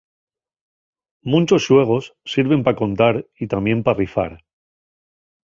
Munchos xuegos sirven pa contar y tamién pa rifar.